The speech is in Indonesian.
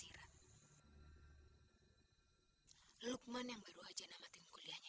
l league menah satu ratus satu